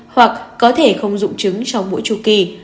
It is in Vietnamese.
hoặc có thể không dụng chứng trong mỗi chu kỳ